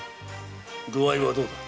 具合はどうだ？